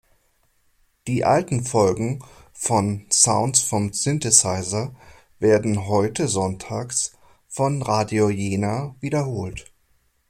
Die alten Folgen von "Sounds vom Synthesizer" werden heute sonntags von Radio Jena wiederholt.